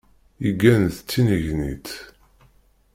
Yeggan d tinnegnit.